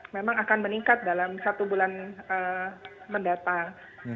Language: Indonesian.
memang akan meningkat dalam satu bulan mendatang